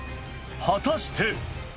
果たして。